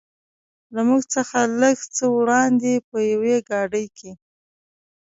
له موږ څخه لږ څه وړاندې په یوې ګاډۍ کې.